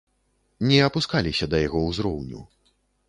Не апускаліся да яго ўзроўню.